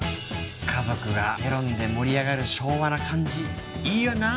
家族がメロンで盛り上がる昭和な感じいいよな